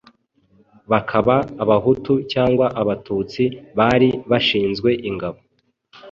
bakaba abahutu cyangwa abatutsi, bari bashinzwe ingabo,